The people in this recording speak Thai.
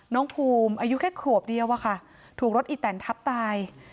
น้องภูมิอายุแค่ขวบเดียวอะค่ะถูกรถอีแตนทับตาย